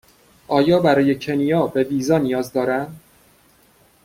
آیا برای کنیا به ویزا نیاز دارم؟